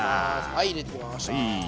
はい入れていきました。